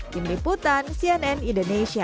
kim liputan cnn indonesia